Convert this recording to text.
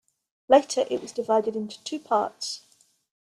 Later, it was divided into two parts.